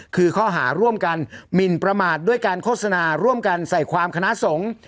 คือข้อหาร่วมกันหมินประมาทด้วยการโฆษณาร่วมกันใส่ความคณะสงฆ์